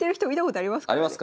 ありますか？